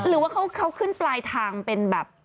หรือว่าเขาขึ้นปลายทางเป็นแบบ